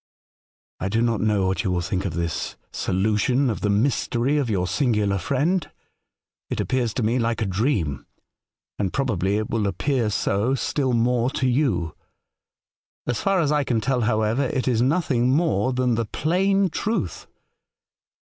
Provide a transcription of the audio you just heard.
"I do not know what you will think of this solution of the mystery of your singular friend. It appears to me like a dream, and probably it will appear so still more to you. As far as I can tell, however, it is nothing more than the plain truth.